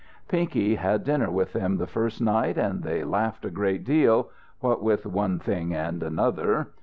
Pinky had dinner with them the first night, and they laughed a great deal, what with one thing and another.